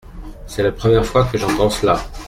C’est la première fois que j’entends cela.